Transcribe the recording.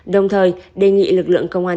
đồng thời đề nghị lực lượng công an